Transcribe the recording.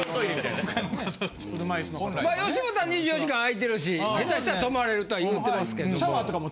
吉本は２４時間開いてるし下手したら泊まれるとは言うてますけども。